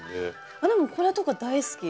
あっこれとか大好き。